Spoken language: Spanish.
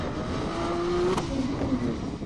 Pius X Catholic High School" en su Atlanta natal.